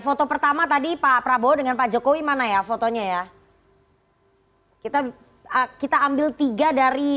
foto pertama tadi pak prabowo dengan pasok win mana ya fotonya ya hai itu kita ambil tiga dari